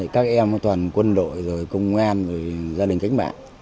các em toàn quân đội rồi công an rồi gia đình cánh bã